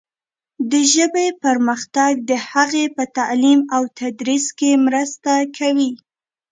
د ژبې پرمختګ د هغې په تعلیم او تدریس کې مرسته کوي.